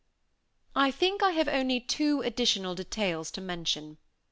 I think I have only two additional details to mention.